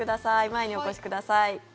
前にお越しください。